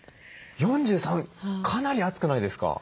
かなり熱くないですか？